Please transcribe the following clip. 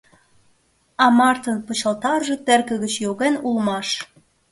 А Мӓртын пычалтарже терке гыч йоген улмаш.